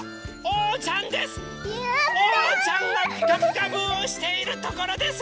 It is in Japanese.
おうちゃんが「ピカピカブ！」をしているところです。